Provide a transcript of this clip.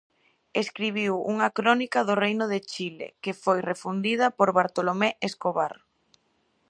Escribiu unha Crónica do Reino de Chile, que foi refundida por Bartolomé Escobar.